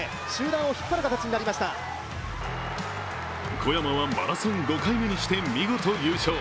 小山はマラソン５回目にして見事優勝。